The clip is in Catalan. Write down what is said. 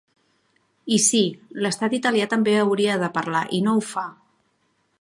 I sí, l’estat italià també hauria de parlar i no ho fa.